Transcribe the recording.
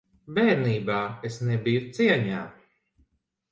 Bērnībā es nebiju cieņā.